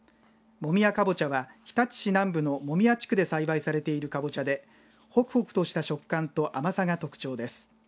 茂宮かぼちゃは日立市南部の茂宮地区で栽培されているかぼちゃでほくほくとした食感と甘さが特徴です。